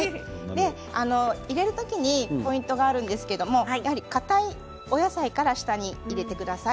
入れる時にポイントがあるんですけどやはり、かたいお野菜から下に入れてください。